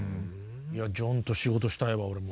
ジョンと仕事したいわ俺も。